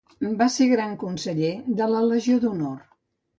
Va ser Gran Canceller de la Legió de l'Honor.